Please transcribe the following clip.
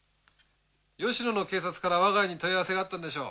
吉野の警察から我が家に問い合わせがあったんでしょう。